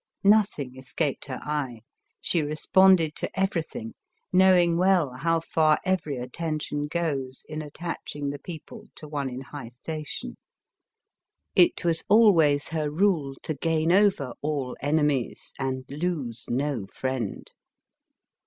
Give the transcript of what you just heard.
N< iliing escaped her eye; she responded to every thing, knowing well how far every attention goes in attaching the people to one in high station. It was always her rule to gain over all enemies, and lose no friend.